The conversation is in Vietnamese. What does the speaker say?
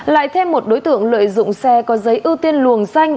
lại thêm một đối tượng lợi dụng xe có giấy ưu tiên luồng xanh